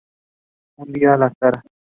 Un día, la Sra.